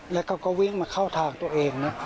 แล้วเขาก็วิ่งมาเข้าทางตัวเองนะ